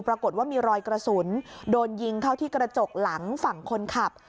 ปรากฏว่ามีรอยกระสุนโดนยิงเข้าที่กระจกหลังฝั่งคนขับ